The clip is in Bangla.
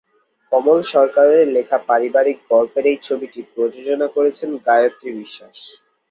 কমল সরকারের লেখা পারিবারিক গল্পের এই ছবিটি প্রযোজনা করেছেন গায়ত্রী বিশ্লাস।